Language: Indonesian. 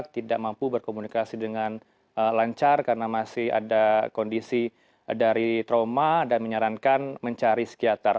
tidak mampu berkomunikasi dengan lancar karena masih ada kondisi dari trauma dan menyarankan mencari psikiater